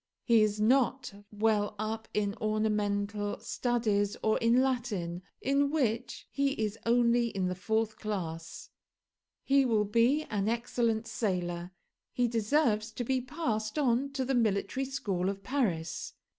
He is not well up in ornamental studies or in Latin in which he is only in the fourth class. He will be an excellent sailor. He deserves to be passed on to the Military School of Paris.